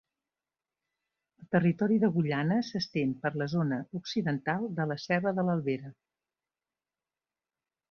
El territori d'Agullana s'estén per la zona occidental de la serra de l'Albera.